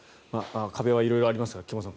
壁は色々ありますが菊間さん